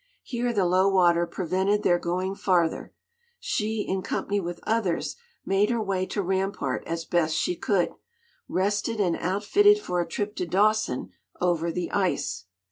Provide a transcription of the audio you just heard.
Here the low water prevented their going farther. She, in company with others, made her way to Rampart as best she could, rested and "outfitted" for a trip to Dawson over the ice.